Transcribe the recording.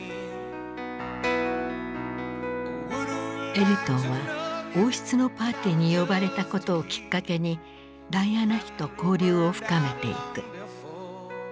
エルトンは王室のパーティーに呼ばれたことをきっかけにダイアナ妃と交流を深めていく。